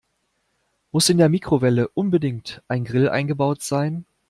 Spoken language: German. Muss in der Mikrowelle unbedingt ein Grill eingebaut sein?